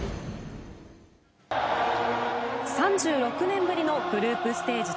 ３６年ぶりのグループステージ